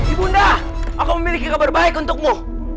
ibunda aku memiliki kabar baik untukmu